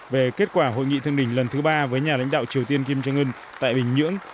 về kết quả hội nghị thương đỉnh lần thứ ba với nhà lãnh đạo triều tiên kim jong un tại bình nhưỡng